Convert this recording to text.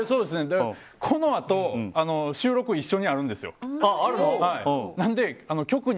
このあと収録一緒にあるんですよ。